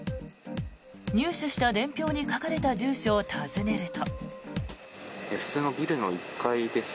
入手した伝票に書かれた住所を訪ねると。